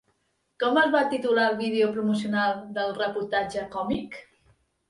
Com es va titular el vídeo promocional del reportatge còmic?